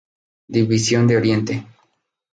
División de Oriente.